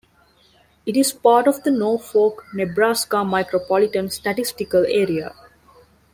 It is part of the Norfolk, Nebraska Micropolitan Statistical Area.